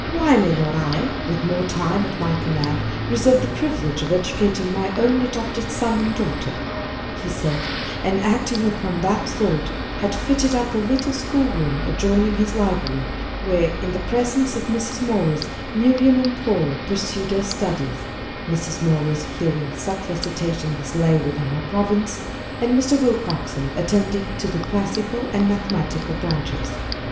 Why may not I, with more time at my command, reserve the privilege of educating my own adopted son and daughter," he said, and acting upon that thought, had fitted up a little school room adjoining his library, where, in the presence of Mrs. Morris, Miriam and Paul pursued their studies, Mrs. Morris hearing such recitations as lay within her province, and Mr. Willcoxen attending to the classical and mathematical branches.